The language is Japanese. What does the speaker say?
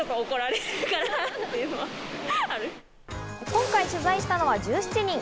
今回取材したのは１７人。